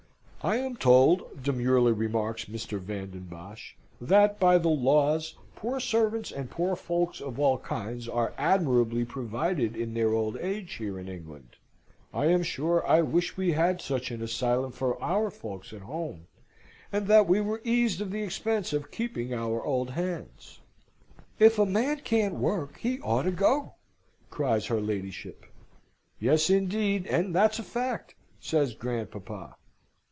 "I am told," demurely remarks Mr. Van den Bosch, "that, by the laws, poor servants and poor folks of all kinds are admirably provided in their old age here in England. I am sure I wish we had such an asylum for our folks at home, and that we were eased of the expense of keeping our old hands." "If a man can't work he ought to go!" cries her ladyship. "Yes, indeed, and that's a fact!" says grandpapa.